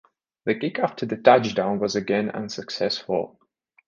The kick after the touchdown was again unsuccessful.